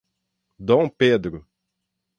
Dom Pedro